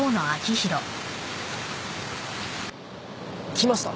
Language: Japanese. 来ました。